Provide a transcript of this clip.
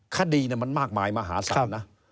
คดีมันมากมายมหาศาลนะ